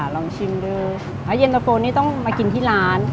ลองชิมดูแล้วเย็นตะโฟนี่ต้องมากินที่ร้าน